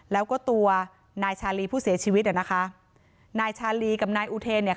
แล้วก็ตัวนายชาลีผู้เสียชีวิตอ่ะนะคะนายชาลีกับนายอุเทนเนี่ย